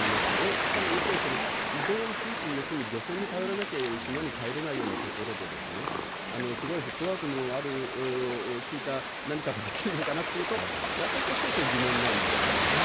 しかも、要するに、移動をいちいち漁船に頼らなければ島に帰れないような所で、すごいフットワークのある利いた何かができるのかなっていったら、私は少々疑問なんですけどね。